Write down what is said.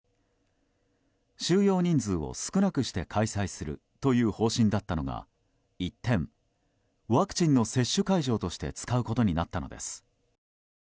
収容人数を少なくして開催するという方針だったのが一転、ワクチンの接種会場として使うことになったのです。